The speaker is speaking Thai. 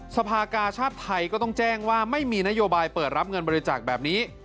สภากาชาติไทยก็ต้องแจ้งว่าไม่มีนโยบายเปิดรับเงินบริจาคแบบนี้